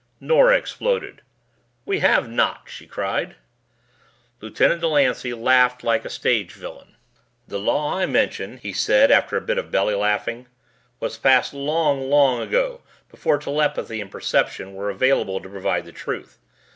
Nora exploded. "We have not!" she cried. Lieutenant Delancey laughed like a stage villain. "The law I mention," he said after a bit of belly laughing, "was passed long, long ago before telepathy and perception were available to provide the truth.